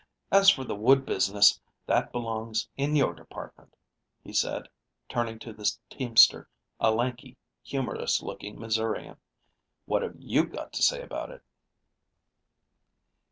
As for the wood business, that belongs in your department," he said, turning to the teamster, a lanky, humorous looking Missourian; "what have you got to say about it?"